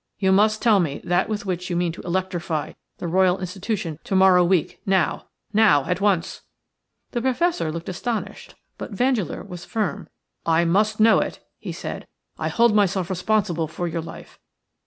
You must tell me that with which you mean to electrify the Royal Institution to morrow week, now, now at once." The Professor looked astonished, but Vandeleur was firm. "I must know it," he said. "I hold myself responsible for your life.